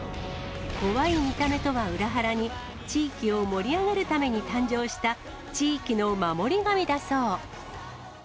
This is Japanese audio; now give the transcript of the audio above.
怖い見た目とは裏腹に、地域を盛り上げるために誕生した、地域の守り神だそう。